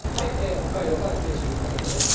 北海道から九州にかけてです。